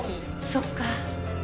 そっか。